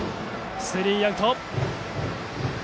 スリーアウト。